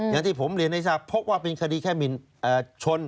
อย่างที่ผมเรียนให้ทราบเพราะว่าเป็นคดีแค่หมินชน